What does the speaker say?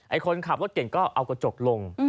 คนขับรถเก่งก็เอากระจกลง